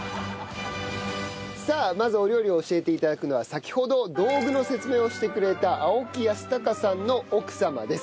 さあまずお料理を教えていただくのは先ほど道具の説明をしてくれた青木泰孝さんの奥様です。